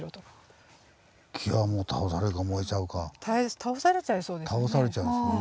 倒されちゃいそうですよね。